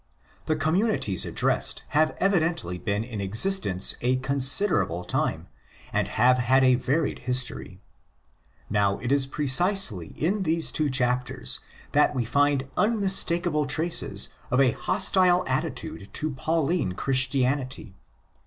The communities addressed have evidently been in existence a considerable time, and have had a varied history. Now, it is precisely in these two chapters that we find unmistakeable traces of a hostile attitude to Pauline Christianity.